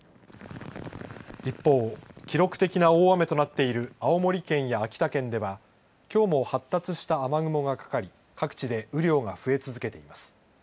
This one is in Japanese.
一方、記録的な大雨となっている青森県や秋田県ではきょうも発達した雨雲がかかり各地で雨量が増え続けています。